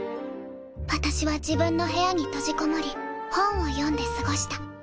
私は自分の部屋に閉じこもり本を読んで過ごした。